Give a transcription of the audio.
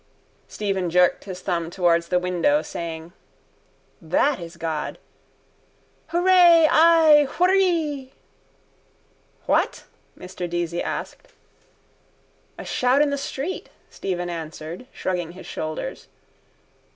Stephen jerked his thumb towards the window, saying: —That is God. Hooray! Ay! Whrrwhee! —What? Mr Deasy asked. —A shout in the street, Stephen answered, shrugging his shoulders.